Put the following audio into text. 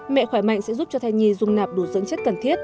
mẹ khỏe mạnh sẽ giúp cho thai nhi dùng nạp đủ dưỡng chất cần thiết